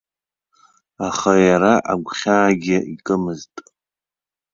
Аха иара агәхьаагьы икымызт.